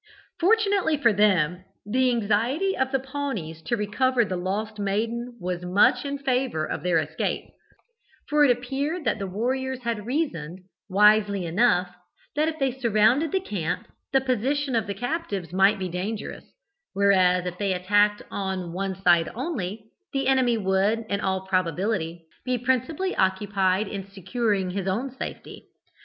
Fortunately for them, the anxiety of the Pawnees to recover the lost maiden was much in favour of their escape, for it appeared that the warriors had reasoned, wisely enough, that if they surrounded the camp, the position of the captives might be dangerous, whereas if they attacked on one side only the enemy would, in all probability, be principally occupied in securing his own safety.